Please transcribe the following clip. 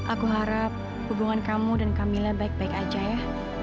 aku harap hubungan kamu dan kamila baik baik aja ya